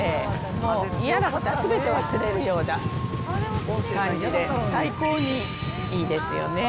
もう嫌なことはすべて忘れるような感じで、最高にいいですよね。